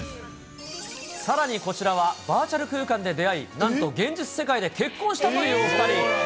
さらにこちらは、バーチャル空間で出会い、なんと現実世界で結婚したというお２人。